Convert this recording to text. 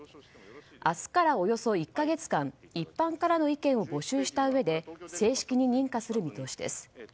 明日からおよそ１か月間一般からの意見を募集したうえで正式に認可する見通しです。